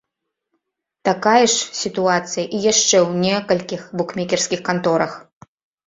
Такая ж сітуацыя і яшчэ ў некалькіх букмекерскіх канторах.